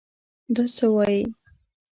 دا څه وايې.